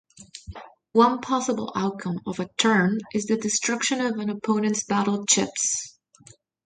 One possible outcome of a turn is the destruction of an opponent's Battle Chips.